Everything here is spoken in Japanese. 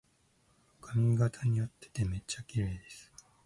髪型にあっててめっちゃきれいです